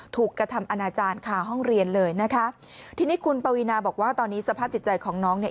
กระทำอนาจารย์คาห้องเรียนเลยนะคะทีนี้คุณปวีนาบอกว่าตอนนี้สภาพจิตใจของน้องเนี่ย